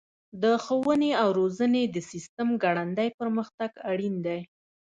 د ښوونې او روزنې د سیسټم ګړندی پرمختګ اړین دی.